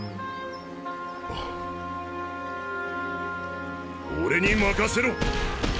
俺に任せろ！